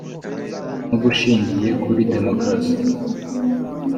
N ubushingiye kuri demokarasi